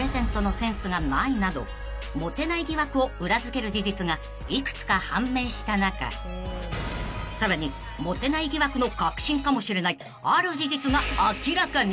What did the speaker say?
［モテない疑惑を裏付ける事実が幾つか判明した中さらにモテない疑惑の核心かもしれないある事実が明らかに］